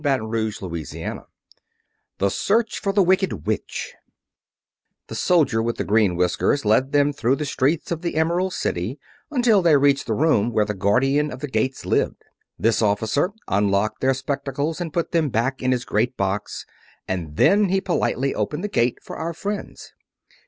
Chapter XII The Search for the Wicked Witch The soldier with the green whiskers led them through the streets of the Emerald City until they reached the room where the Guardian of the Gates lived. This officer unlocked their spectacles to put them back in his great box, and then he politely opened the gate for our friends.